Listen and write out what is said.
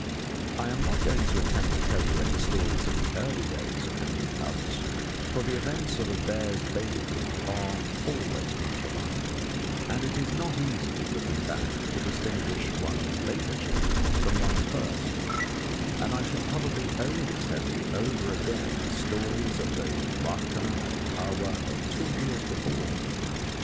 I am not going to attempt to tell you any stories of the early days of the new cubs, for the events of a bear's babyhood are always much alike, and it is not easy, looking back, to distinguish one's later children from one's first; and I should probably only tell over again stories of the Wahka and Kahwa of two years before.